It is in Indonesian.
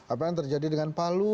apa yang terjadi dengan palu